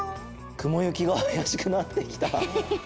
くもゆきがあやしくなってきた。